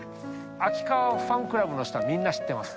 秋川ファンクラブの人は、みんな知ってます。